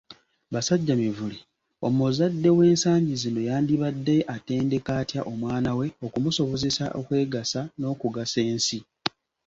Basajja Mivule, omuzadde w’ensangi zino yandibadde atendeka atya omwana we okumusobozesa okwegasa n’okugasa ensi?